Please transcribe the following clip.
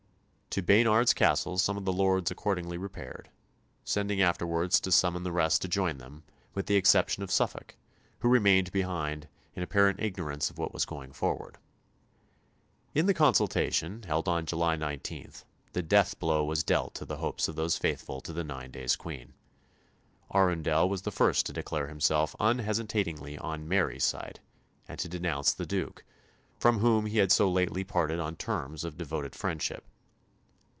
To Baynard's Castle some of the lords accordingly repaired, sending afterwards to summon the rest to join them, with the exception of Suffolk, who remained behind, in apparent ignorance of what was going forward. In the consultation, held on July 19, the deathblow was dealt to the hopes of those faithful to the nine days' Queen. Arundel was the first to declare himself unhesitatingly on Mary's side, and to denounce the Duke, from whom he had so lately parted on terms of devoted friendship.